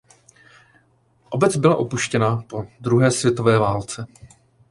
Obec byla opuštěna po druhé světové válce.